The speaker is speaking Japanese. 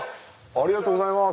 ありがとうございます！